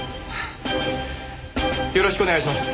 よろしくお願いします。